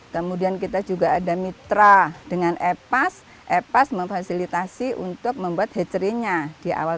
kemudian kita juga ada mitra dengan epas epas memfasilitasi untuk membuat hecerinya diawal